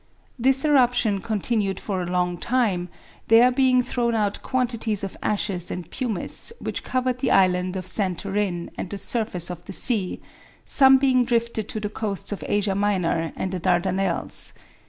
This eruption continued for a long time, there being thrown out quantities of ashes and pumice, which covered the island of Santorin and the surface of the sea some being drifted to the coasts of Asia Minor and the Dardanelles.